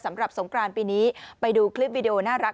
สำหรับสงกรานปีนี้ไปดูคลิปวิดีโอน่ารัก